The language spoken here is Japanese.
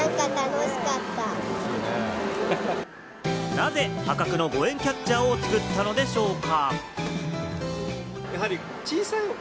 なぜ破格の５円キャッチャーを作ったのでしょうか？